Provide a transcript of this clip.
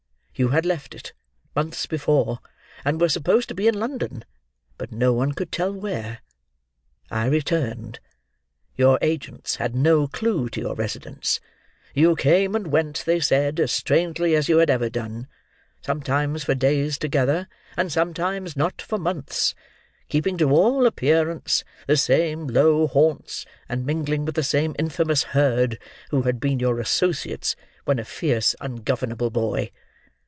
You had left it, months before, and were supposed to be in London, but no one could tell where. I returned. Your agents had no clue to your residence. You came and went, they said, as strangely as you had ever done: sometimes for days together and sometimes not for months: keeping to all appearance the same low haunts and mingling with the same infamous herd who had been your associates when a fierce ungovernable boy.